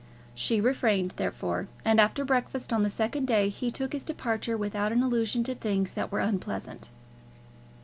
She refrained, therefore, and after breakfast on the second day he took his departure without an allusion to things that were unpleasant.